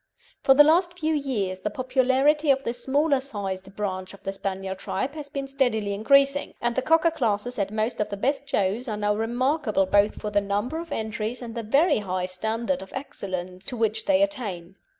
For the last few years the popularity of this smaller sized branch of the Spaniel tribe has been steadily increasing, and the Cocker classes at most of the best shows are now remarkable both for the number of entries and the very high standard of excellence to which they attain.